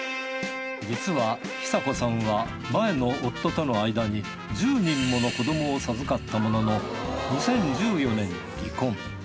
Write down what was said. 実は寿子さんは前の夫との間に１０人もの子どもを授かったものの２０１４年に離婚。